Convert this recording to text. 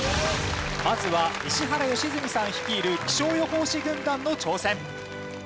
まずは石原良純さん率いる気象予報士軍団の挑戦。